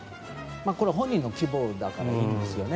これ、本人の希望だからいいですよね。